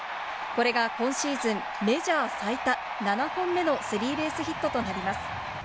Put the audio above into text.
これが今シーズンメジャー最多、７本目のスリーベースヒットとなります。